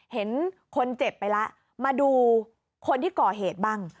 เห็นคนเจ็บไปแล้วมาดูคนที่ก่อเหตุบ้าง